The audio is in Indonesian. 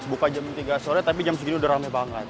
buka jam tiga sore tapi jam segini udah rame banget